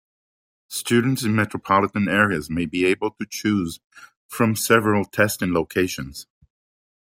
Students in metropolitan areas may be able to choose from several testing locations.